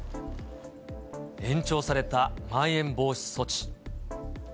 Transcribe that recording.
延長されたまん延防止措置。